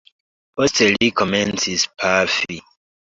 Poste li komencis pafi.